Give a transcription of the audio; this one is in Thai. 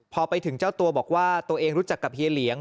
พอไปถึงเจ้าตัวบอกว่าตัวเองรู้จักกับเฮียเหลียง